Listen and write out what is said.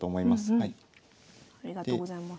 ありがとうございます。